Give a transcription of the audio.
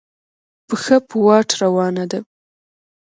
پښه په واټ روانه ده.